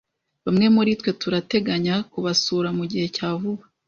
Bamwe muritwe turateganya kubasura mugihe cya vuba.